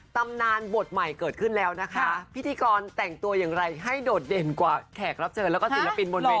ตำนานบทใหม่เกิดขึ้นแล้วนะคะพิธีกรแต่งตัวอย่างไรให้โดดเด่นกว่าแขกรับเชิญแล้วก็ศิลปินบนเว